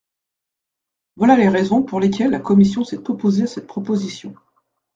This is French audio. Voilà les raisons pour lesquelles la commission s’est opposée à cette proposition.